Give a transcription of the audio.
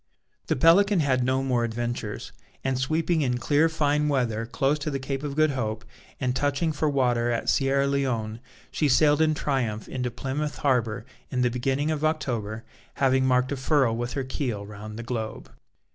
The Pelican had no more adventures; and sweeping in clear fine weather close to the Cape of Good Hope, and touching for water at Sierra Leone, she sailed in triumph into Plymouth harbour in the beginning of October, having marked a furrow with her keel round the globe.